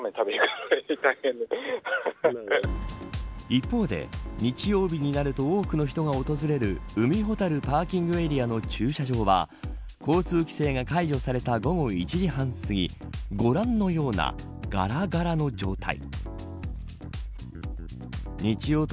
一方で、日曜日になると多くの人が訪れる海ほたるパーキングエリアの駐車場は交通規制が解除された午後１時半すぎご覧のような、がらがらの状態。